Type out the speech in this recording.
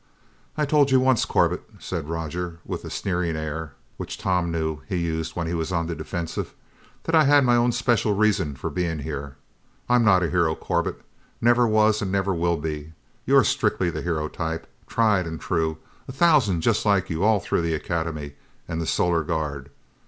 "I told you once, Corbett," said Roger with the sneering air which Tom knew he used when he was on the defensive, "that I had my own special reasons for being here. I'm not a hero, Corbett! Never was and never will be. You're strictly the hero type. Tried and true, a thousand just like you all through the Academy and the Solar Guard.